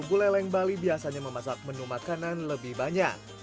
buleleng bali biasanya memasak menu makanan lebih banyak